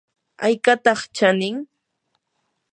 ¿aykataq chanin?